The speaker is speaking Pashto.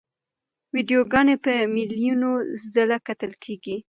ویډیوګانې په میلیونو ځله کتل کېږي.